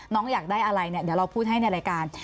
อยากได้อะไรเนี่ยเดี๋ยวเราพูดให้ในรายการ